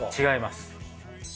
違います。